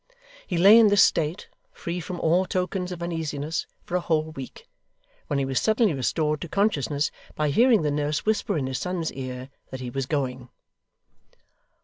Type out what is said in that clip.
He lay in this state, free from all tokens of uneasiness, for a whole week, when he was suddenly restored to consciousness by hearing the nurse whisper in his son's ear that he was going.